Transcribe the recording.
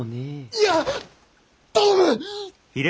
いや頼む！